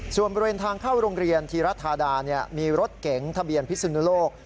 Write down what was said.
ส่วนบริเวณทางเข้าโรงเรียนธีรธาดามีรถเก๋งทะเบียนพิสุนุโลก